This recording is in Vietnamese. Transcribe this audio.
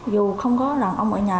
dù không có là ông ở nhà